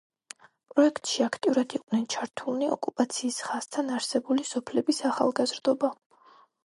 პროექტში აქტიურად იყვნენ ჩართულნი ოკუპაციის ხაზთან არსებული სოფლების ახალგაზრდობა.